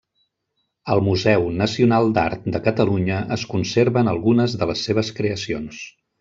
Al Museu Nacional d'Art de Catalunya es conserven algunes de les seves creacions.